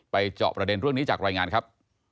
เจาะประเด็นเรื่องนี้จากรายงานครับ